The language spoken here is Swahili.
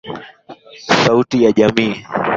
Msusi yule ni mrembo.